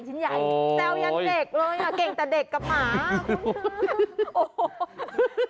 แจ้วยันเด็กเลยอ่ะเก่งแต่เด็กกับหมาคุณคือ